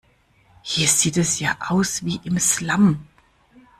Hier sieht es ja aus wie im Slum.